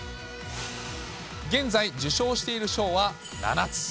現在、受賞している賞は７つ。